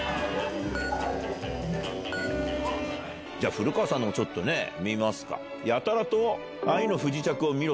古川さんのちょっとね見ますか。